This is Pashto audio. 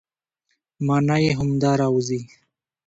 مانا يې همدا راوځي،